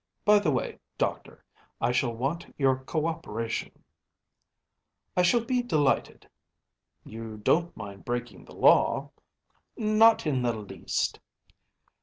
By the way, Doctor, I shall want your co operation.‚ÄĚ “I shall be delighted.‚ÄĚ “You don’t mind breaking the law?‚ÄĚ “Not in the least.